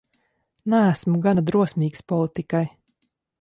Neesmu gana drosmīgs politikai.